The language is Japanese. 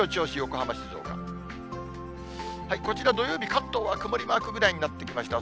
こちら土曜日、関東は曇りマークぐらいになってきました。